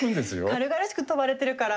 軽々しく跳ばれてるから。